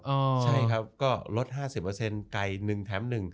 ใช่ครับก็ลด๕๐ไกลหนึ่งแถมหนึ่ง